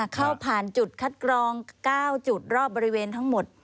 เข้าผ่านจุดคัดกรอง๙จุดรอบบริเวณทั้งหมด